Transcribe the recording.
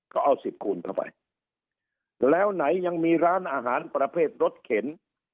ก็เอาสิบคูณเข้าไปแล้วไหนยังมีร้านอาหารประเภทรถเข็น